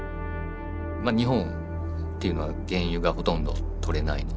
日本っていうのは原油がほとんどとれないので。